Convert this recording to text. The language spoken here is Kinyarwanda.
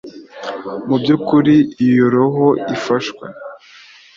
mubyukuri, iyo roho ifashwe